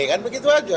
kan begitu aja